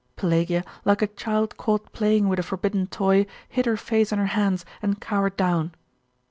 Pelagia, like a child caught playing with a forbidden toy, hid her face in her hands and cowered down.